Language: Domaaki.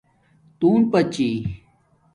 تون پاڅی